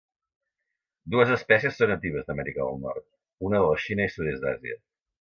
Dues espècies són natives d'Amèrica del Nord, una de la Xina i Sud-est d'Àsia.